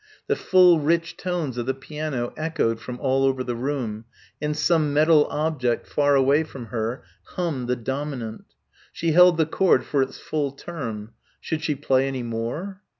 The full rich tones of the piano echoed from all over the room; and some metal object far away from her hummed the dominant. She held the chord for its full term.... Should she play any more?...